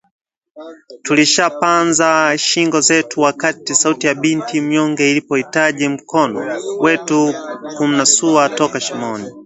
Tulishupaza shingo zetu wakati sauti ya binti mnyonge ilipohitaji mkono wetu kumnasua toka shimoni